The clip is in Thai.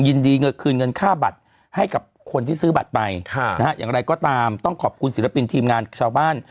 ยินดีคืนเงินค่าบัตรให้กับคนที่ซื้อบัตรไปอย่างไรก็ตามต้องขอบคุณศิลปินทีมงานชาวบ้าน